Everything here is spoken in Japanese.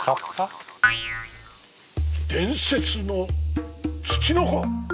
伝説のツチノコ。